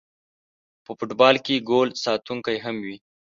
په فوټبال کې ګول ساتونکی هم وي